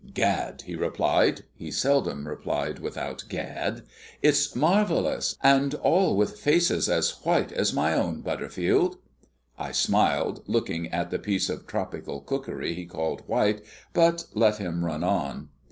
"Gad," he replied (he seldom replied without "Gad"), "it's marvellous! And all with faces as white as my own, Butterfield!" I smiled, looking at the piece of tropical cookery he called white, but let him run on.